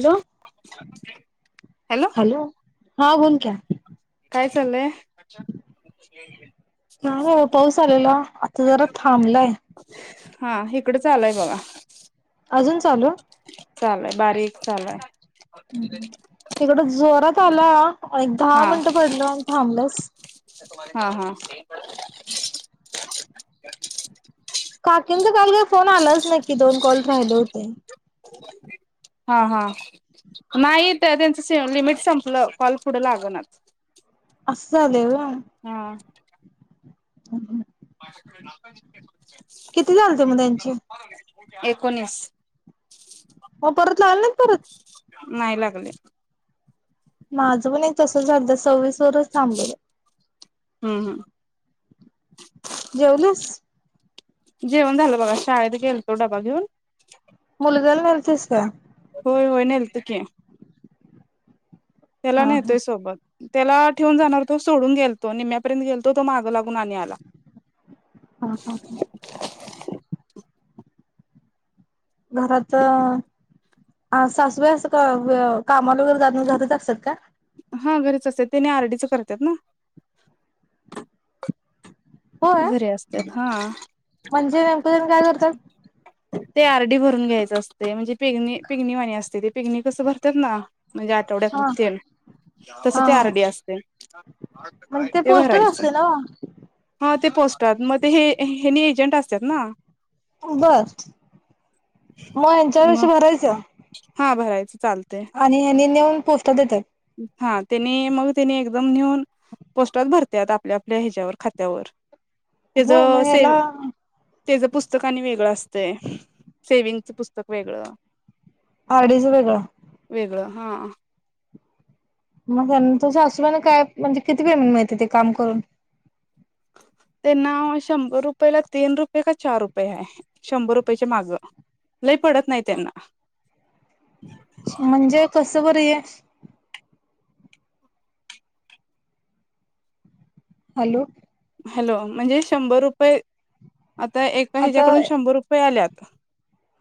Hello hello. हा बोल क्या काय चाललंय? काय नाही पाऊस आलेला आता जरा थांबलाय. हा हिकडच आलाय बघा. अजून चालू? चालू हाय बारीक चालू हाय. इकड जोरात आला एक दहा मिनटं पडलं आणि थांबलंस. हा [inaudible] काकीनं तर काल काही फोन आलाच नाही कि दोन कॉल राहिले होते. हा हा, नाही तर त्यांचं स लिमिट संपलं कॉल पुढं लागनाच. असं झालंय होय? हा. [unintelligible] माझ्याकडे [unintelligible] किती झालते मग त्यांचे? एकोणीस. मग परत लावले नाहीत परत नाही लागले. माझं पण एक तसं झालतं सव्वीस वरच थांबलेलं. हम्म हम्म जेवलीस? जेवण झालं बघा शाळेत गेलतो डबा घेऊन मुलग्याला नेलतीस काय? होय होय नेलत की. त्याला हा हा नेतोय सोबत, त्याला ठेवून जाणार होतो सोडून गेलतो निम्यापर्यंत गेलतो तो माग लागू न आणि आला. हा हा हा. घरात अ अ सासू बाई असं कवा कामाला वगैरे जात नाय घरातच असतात का? हा घरीच असत्यात तेनी आरडीच करत्यात ना? होय घरी असत्यात हा. म्हणजे नेमकं त्यानी काय कर ते आरडी भरून घ्यायचं असतंय, म्हणजे [unintelligible] वाणी असतंय. [unintelligible] कसं भरत्यात ना, म्हणजे आठवड्यातन हा हा तेन तसं ते हा आरडी असतंय, म्हणजे ते पोस्टच भरायचं. असते ना ते पोस्टात, मग ते हे हेनी एजंट असत्यात ना बर, मग ह्यांच्यापाशी मग भरायचं? हा भरायचं. चालतय आणि ह्यानी नेऊन पोस्टात देत्यात. हा त्यांनी मग त्यांनी एकदम नेऊन पोस्टात भरत्यात आपल्या आपल्या ह्याच्यावर खात्यावर. होय? मग त्याच सेव याला त्याचं पुस्तक आणि वेगळं असतंय, सेविंगचं पुस्तक वेगळं. आरडीच वेगळा. वेगळं हा. मग त्यां तुझं सासूबाईंना काय, म्हणजे किती वेळ मिळते ते काम करून? [unintelligible] त्यांना शंभर रुपयेला तीन रुपये का चार रुपये आहे शंभर रुपयाेची मागं. लई पडत नाही त्यांना. म्हणजे कसं बर हे. हॅलो. हॅलो म्हणजे शंभर रुपये आता एका आता ह्याच्याकडून शंभर रुपये आल्यात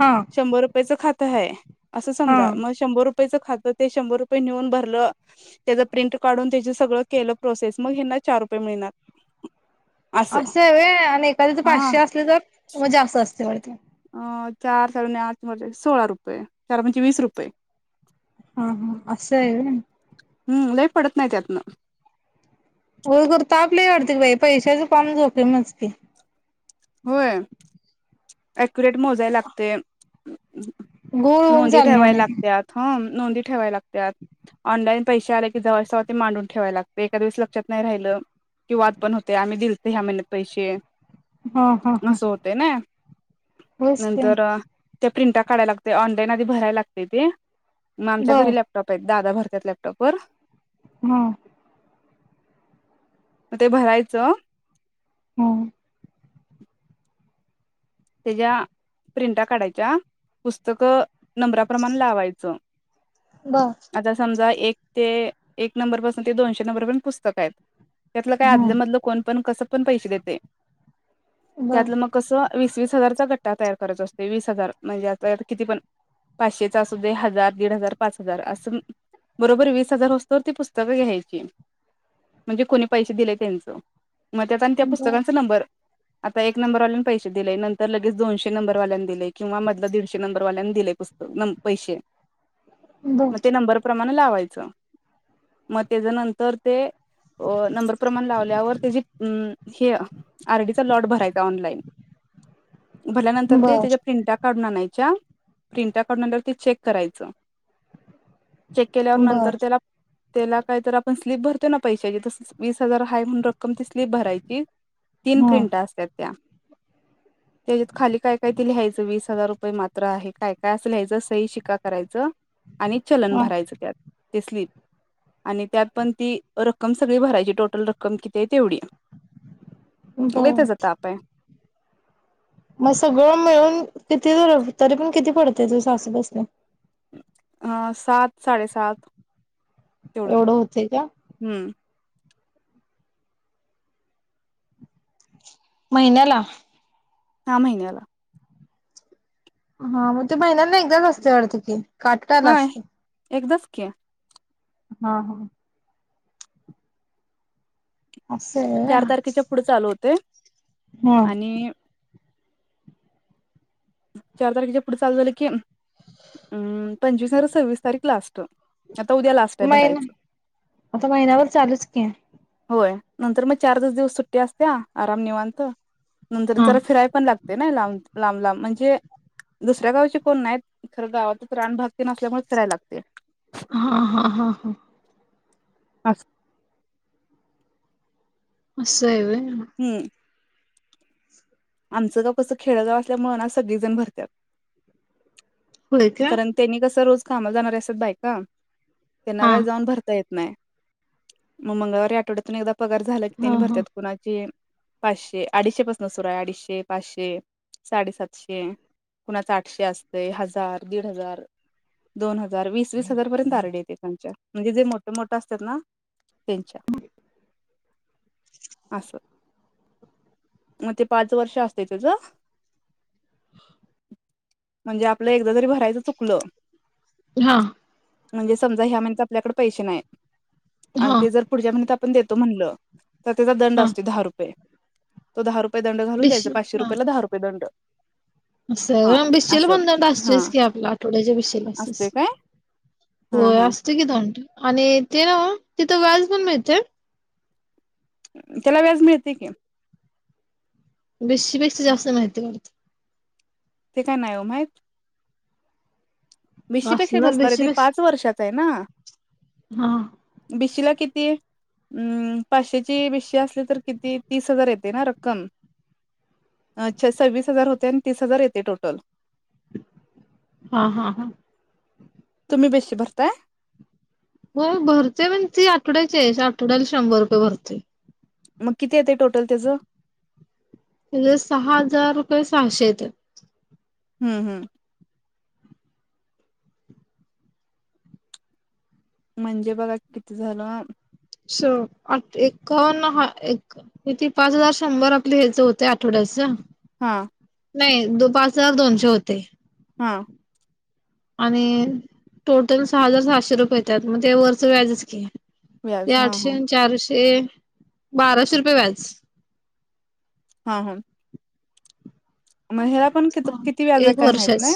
हा शंभर रुपयाचं खातं हाय, असं हा समजा मग शंभर रुपय पयच खातं ते शंभर रुपये नेऊन भरलं, त्याची प्रिंट काढून त्याचं सगळं केलं प्रोसेस मग ह्यांना चार रुपये मिळणार. असं आहे होय? आणि एखाद तर हा पाचशे असले तर, म्हजे असं असते. चार साड आ म्हजे सोळा रुपये चार म्हणजे वीस रुपये. हा हा असं आहे.. हम्म लई पडत नाही त्यातनं. हो कर तापले वाढते बाई पैशाच काम झोपले मस्ती. होय, अक्युरेट मोजाय लागते. घोळ होऊन नोंदी चालणार ठेवाय नाही लागतात हम नोंदी ठेवाय लागतात. ऑनलाईन पैसे आले की जवळवळ ते मांडून ठेवाय लागतते एका दिवस लक्षात नाही राहिलं. की वाद पण होते आम्ही दिलत ह्या महिन्यात पैसे हा हा हा असं होते ना. होयच की नंतर त्या प्रिंट काढाय लागते ऑनलाईन आधी भराय लागते ते. मग आमच्या बर घरी लॅपटॉप आहेत दादा भरतत लॅपटॉपवर. हम्म. मग ते भरायचं. हम्. त्याच्या प्रिंटा काढायच्या पुस्तक. नंबराप्रमाण लावायचं बर आता समजा एक. ते एक नंबरपासून ते दोनशे नंबरप पुस्तक आहेत त्यातलं काय हा आदलंमधलं कोण पण कसं. कसं पण पैसे देते बर त्यातलं मग कस वीस वीस वीस हजारचा घट्टा तयार करायचा असते वीस हजार म्हणजे आता किती पण. पाचशेचा अस दे हजार दीड हजार पाच हजार असं. बरोबर वीस हजार होतो ती पुस्तक घ्यायची म्हणजे कोणी पैसे दिले त्यांचं. मग त्यात आणि त्या बर पुस्तकांचा नंबर आता एक नंबर ऑलाईन पैसे दिले नंतर. तर लगेच दोनशे नंबर वाल्यांनी दिले किंवा मधला दीडशे नंबरवाल्यांनी दिले पुस्तक पैसे. बर मग ते नंबर प्रमाणे लावायचं मग त्याच्या नंतर ते. नंबर प्रमाण लावल्यावर त्या हे आरडीचा लॉट भरायचा ऑनलाईन. भल्यानंतर ते बर त्याच्या प्रिंटा काढून आणायच. च्या प्रिंट काढून आणल्या नंतर ते चेक करायचं. चेक केल्यावर बर नंतर त्याला. त्याला काहीत आपण स्लीप भरतो ना पैशाची तस वीस हजार हाय म्हणून रक्कम ती स्लीप भरायची. तीन हा प्रिंट असत त्या. त्याच्यात खाली काय काय दिलंहायचं वीस हजार रुपये मात्र आहे काय काय असल या्यायचं सई शिका करायचं. आणि चलन हा भरायचं त्यात ते स्लिप आणि त्यात पण ती रक्कम सगळी भरायची टोटल रक्कम किती आहे तेवढी. बर तिचा ताप आहे. मग सगळं मिळून किती तरी पण किती पडते तुझ सासू बसने. अं सात साडेसात. तेवढं एवढं होते का. हम्म महिन्याला हा महिन्याला हा मग ते महिन्याना एकदाच असते अडत की काटटायला असते. ओके हा हा असं आहे होय चार तारखेच्या पुढे चालू होते हा आणि चार तारखेच्या पुढे चाल झालं की हम् पंचवीस, सव्वीस तारीख लास्ट आता उद्या लास्ट आहे महिना भरायचं आता महिनाभर चालूच की होय. नंतर मग चार दच दिवस सुट्टी असत्या आराम निवांत नंतर हा जरा फिराय पण लागते. नाहीं लांब लांब म्हणजे े दुसऱ्या गावचे कोण नाही खरं गावात प्राणभगती नसल्यामुळेच करायला लागते हा हा हा हा अस असा य होय. हम्म आमचं गाव कसं खेडगाव असल्या मुळना सगळेजण भरतात. होय का कारण त्यांनी कस रोज कामा जाणार असात बायका त्यांना हा काय जाऊन भरता येत. नाही मग मंगळवारी आठवड्यातून एकदा पगार झाला की हा त्यांनी भरतात हा कुणाची पाचशे अडीचशे पाासून सुर आहे अडीचशे पाचशे साडेसातशे कुणाच आठशे, असते हजार, दीड हजार दोन हजार वी स वीस हजार, पर्यंत आरडी येते त्यांच्या म्हणजे जे मोठ मोठ असतात ना त्यांच्या अस. मग ते पाच वर्ष असते त्याच म्हणजे आपलं एकदा तरी भरायचं चुकलं हा म्हणजे समजा ह्या महिन्यात आपल्याकडे पैसे नाहीत हा आणि ते जर पुढच्या महिन्यात आपण देतो म्हणलं तर त्याचा दंड हा असते दहा रुपये तो दहा रुपये दंड घालून बिश द्यायचा पाचशे रुपयाेला दहा रुपये दंड [unintelligible] हा असं हा असतेस की आपल्या आठवड्याच्या भिशीला असतेस असते काय हा होय हा असते की दंड. आणि ते ना तिथं व्याज पण मिळतंय. त्यालाव्याज मिळतय की. भिशी पेक्षा जास्त मिळतय वाटत ते काय नाही ओ माहित. भिशी पेक्षा असणार नसणार आहे ती पाच बिशीपेक्षा वर्षाच आहे ना हा भिशी ला किती ती अम् पाचशेची बेशी असली तर किती तीस हजार येते ना रक्कम अच्छा सव्वीस हजार होते आणि तीस हजार येते टोटल हा हा हा तुम्ही भिशी भरताय हो भरते पण ती आठवड्याची आहे आठवड्याला शंभर रुपये भरते. मग किती येत टोटल त्याचं म्हजे सहा हजार रुपये सहाशे येत्यात हम्म हम्म म्हणजे बघ किती झालं. स एन ह किती पाच हजार शंभर आपलं ह्याचं होत आठवड्याचं हा नाही दो पाच हजार दोनशे होते हा आणि टोटल सहा हजार सातशे रुपयेेतात मग वरचं व्याजच की ते व्याज हा आठशे हा आणि चारशे बाराशे रुपये व्याज. हा हा. मग ह्याला पण क किती व्याज आहे एक काय माहत वर्षाच नाही.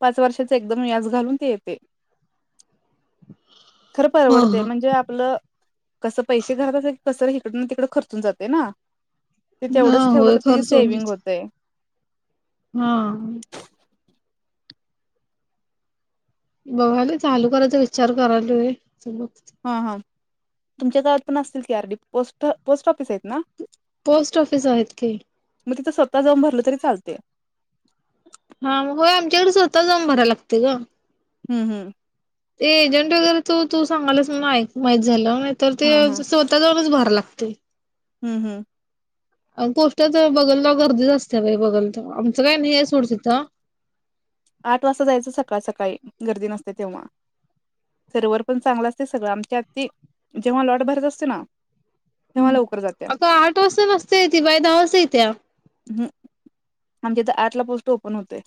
पाच वर्षाचे एकदम व्याज घालून ते येते. खर ह परवडते ह म्हणजे आपलं कसं पैसे घरात असेल की कसं. त खर्चून जात हा तेवढंच होय ठेवलं खर्च होऊन सेंग जातो हा बघाला चालू करायचा विचार करायलय. हा हा तुमच्या गात पण असतील की आरडी पोस्ट ऑफिस आहेत ना. पोस्ट ऑफिस आ आहेत की. मग तिथं स्वतः जाऊन भरल तरी चालते. हा मग हो आमच्याकडे स्वतः जाऊन भराय लागते ग. हम्म हम्म. ते एजंट वगैरे तू तू सांगालास माहीत झालं नाही तर ते हा हा स्वतः जाऊनच भर लाग ते हम्म हम्म. गोष्टच बघल तर गर्दीच असते बाई बघल तर आमचं काय नाही सोडसथ. आठ वाजता जायचं सकाळ सकाळी गर्दी नसते तेव्हा. सर्वर पण चांगला असते सगळं आमच्या आ जेव्हा लॉट भरत असते ना. ह तेव्हा लवकर जात्या. अग आठ वाजता मस्त येते बाई दहा वाजता येते. ह आमच्याथ आठ ला पोस्ट ओपन होते.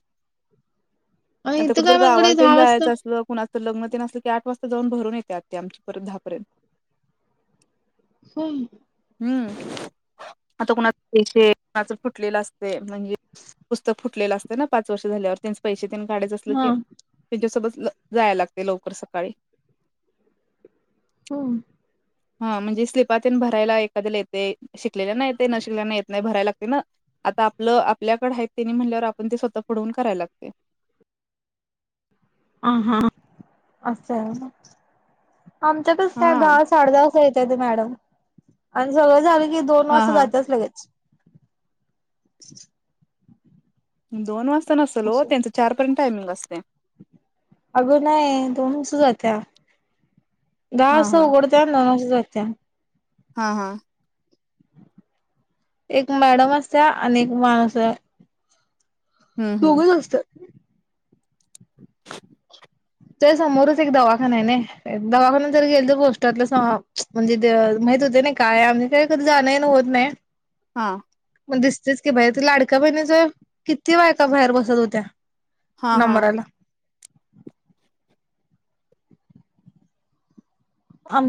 आणि आता इथं कुठं तर काय मंगडे गावालन दहा वाजता जायचं असलं कुणाच तर लग्न तेन असलं की आठ वाजता जाऊन भरून येत. ते आमची परधहापर्यंत. हम. हम् अतकात येशे. च फुटलेलं असते म्हणजे पुस्तक फुटलेलं असते ना पाच वर्ष झाल्यावर त्यांचे पैसे. काढायचं अस हा की त्यांच्यासोबत. जायला लागते लवकर सकाळी. होम. हा म्हणजे स्लिपातन भरायला एखाद्याला येते शिकलेला नाही येते न शिकले नाही येत नाही भरायला लागते ना. आता आपलं आपल्याकड आहेत त्यांनी म्हणल्यावर आपण ते स्वतः फडवून करायला लागते. [unintelligible] ह हा असंहाय होय मग. आमच्यात का नाही हा दहा साडे दहा अस येतय ते मॅडम आणि सगळ आ दोन हा वाजता हा जायचच लगेच. दोन वाजता नसल हो त्यांचं चारपर्यंत टायमिंग असते. अगो नाय दोन सु जात्या. दहा हा वाजता हा उघडत्या दोन वाजता जाते. हा हा. एक मॅडम असत आणि एक माणस. हम्म हम्म दोघच असतात. तर समोरच एक दवाखाना आहे ना दवाखान जर गेल तर पोस्टातलं म्हणजे. माहित होते ना काय आम काही कधी जाण ना होत नाही. हा. मग दिसतेच की बाई ते लाडक्या बहिणीच किती बायका बाहेर बसत होत्या. हा हा नंबरला.